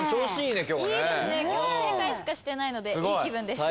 いいですね今日正解しかしてないのでいい気分です。